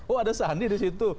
oh ada sahan dia di situ